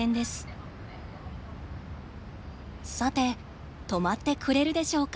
さて止まってくれるでしょうか。